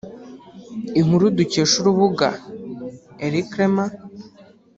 Inkuru dukesha urubuga elcrema